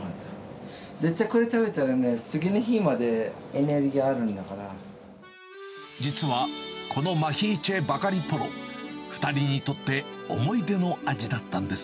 絶対、これ食べたら、次の日実は、このマヒーチェ・バガリポロ、２人にとって思い出の味だったんです。